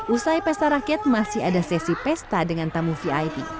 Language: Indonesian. usai pesta rakyat masih ada sesi pesta dengan tamu vip